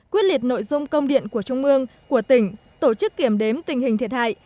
quyết liệt nội dung công điện của trung ương của tỉnh tổ chức kiểm đếm tình hình thiệt hại